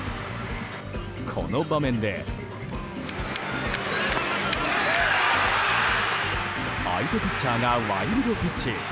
この場面で相手ピッチャーがワイルドピッチ。